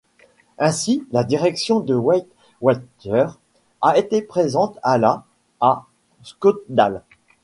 Ainsi, la direction de Weight Watchers a été présente à la ' à Scottsdale.